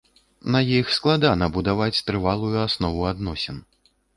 На іх складана будаваць трывалую аснову адносін.